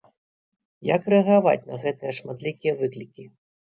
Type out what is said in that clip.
Як рэагаваць на гэтыя шматлікія выклікі?